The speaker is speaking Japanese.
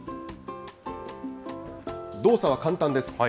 動作は簡単です。